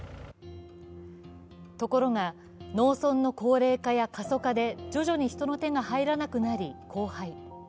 ところが、農村の高齢化や過疎化で徐々に人の手が入らなくなり荒廃。